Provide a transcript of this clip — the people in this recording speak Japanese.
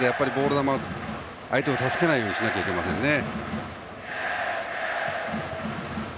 球相手を助けないようにしないといけませんね。